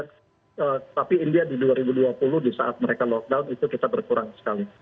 tapi india di dua ribu dua puluh di saat mereka lockdown itu kita berkurang sekali